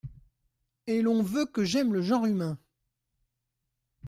Et l’on veut que j’aime le genre humain !